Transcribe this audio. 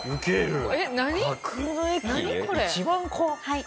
はい。